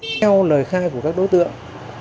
theo lời khai của các đối tượng